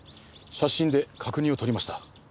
写真で確認をとりました。